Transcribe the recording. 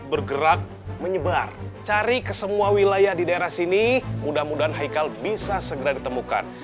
bergerak menyebar cari ke semua wilayah di daerah sini mudah mudahan haikal bisa segera ditemukan